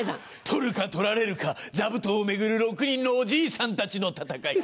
取るか取られるか座布団を巡る６人のおじいさんたちの戦い。